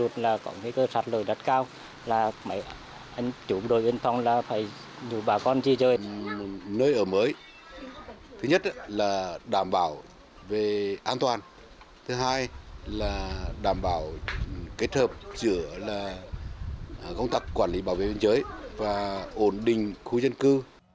nơi ở mới thứ nhất là đảm bảo về an toàn thứ hai là đảm bảo kết hợp giữa công tác quản lý bảo vệ bên chối và ổn định khu dân cư